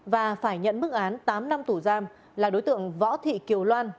và phải nhận mức án tám năm tù giam là đối tượng võ thị kiều loan